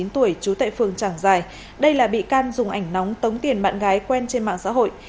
một mươi chín tuổi chú tệ phường tràng giài đây là bị can dùng ảnh nóng tống tiền bạn gái quen trên mạng xã hội